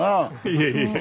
いえいえ。